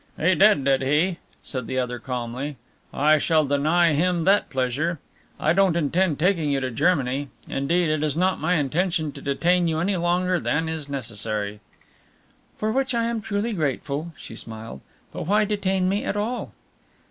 "He did, did he?" said the other calmly. "I shall deny him that pleasure. I don't intend taking you to Germany. Indeed, it is not my intention to detain you any longer than is necessary." "For which I am truly grateful," she smiled, "but why detain me at all?"